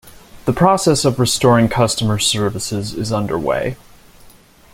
The process of restoring customer services is underway.